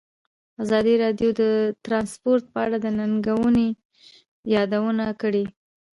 ازادي راډیو د ترانسپورټ په اړه د ننګونو یادونه کړې.